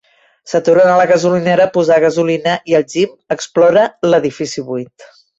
S'aturen a la gasolinera a posar gasolina i el Jim explora l'edifici buit.